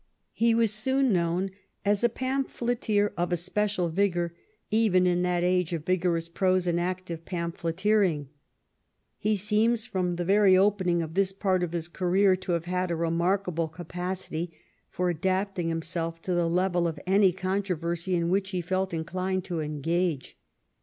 He was soon known as a pamphleteer of especial vigor even in that age of vigorous prose and active pamphleteering. He seems from the very opening of this part of his career to have had a remarkable capacity for adapting himself to the level of any controversy in which he felt in clined to engage.